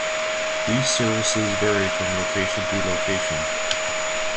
These services vary from location to location.